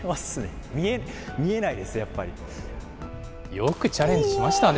よくチャレンジしましたね。